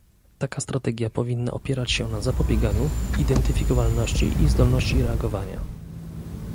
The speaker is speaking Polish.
Taka strategia powinna opierać się na zapobieganiu, identyfikowalności i zdolności reagowania